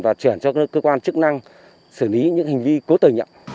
và chuyển cho cơ quan chức năng xử lý những hành vi cố tời nhận